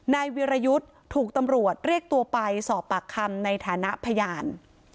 นายวิรยุทธ์ถูกตำรวจเรียกตัวไปสอบปากคำในฐานะพยาน